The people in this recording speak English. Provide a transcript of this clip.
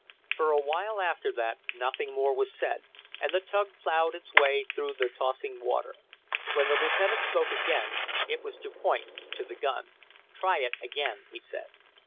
For a while after that nothing more was said, and the tug plowed its way through the tossing water. When the lieutenant spoke again it was to point to the gun. "Try it again," he said.